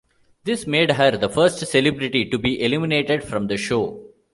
This made her the first celebrity to be eliminated from the show.